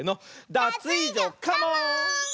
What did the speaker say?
ダツイージョカモン！